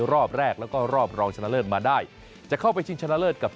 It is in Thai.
รอบแรกแล้วก็รอบรองชนะเลิศมาได้จะเข้าไปชิงชนะเลิศกับ